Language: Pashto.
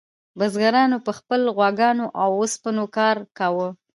بزګرانو په خپلو غواګانو او اوسپنو کار کاوه.